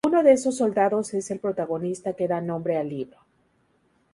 Uno de esos soldados es el protagonista que da nombre al libro.